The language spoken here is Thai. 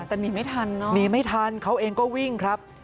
แต่หนีไม่ทันเนอะหนีไม่ทันเขาเองก็วิ่งครับ